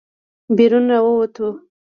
بېرون راووتو.